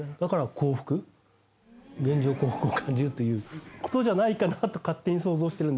幸福を感じるっていうことじゃないかなと勝手に想像してるんですけど。